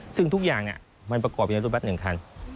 ซึ่งทุกอย่างมันประกอบเป็นรถบัสหนึ่งคัน